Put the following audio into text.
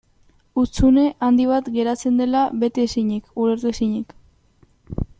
Hutsune handi bat geratzen dela bete ezinik, ulertu ezinik.